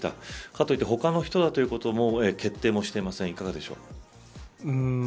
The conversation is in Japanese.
かといって他の人だということも決定もしていません。